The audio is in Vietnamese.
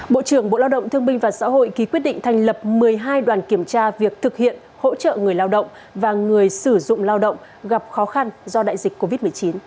bộ trưởng bộ lao động thương binh và xã hội ký quyết định thành lập một mươi hai đoàn kiểm tra việc thực hiện hỗ trợ người lao động và người sử dụng lao động gặp khó khăn do đại dịch covid một mươi chín